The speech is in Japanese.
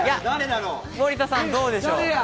森田さん、どうでしょう？